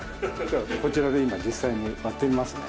こちらで今実際に割ってみますね。